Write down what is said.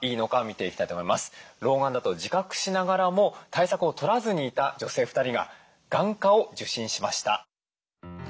老眼だと自覚しながらも対策を取らずにいた女性２人が眼科を受診しました。